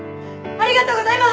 ありがとうございます！